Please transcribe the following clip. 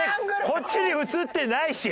こっちに映ってないし。